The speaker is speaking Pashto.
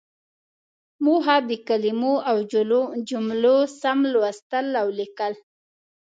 موخه: د کلمو او جملو سم لوستل او ليکل.